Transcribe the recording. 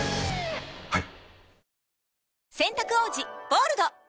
はい。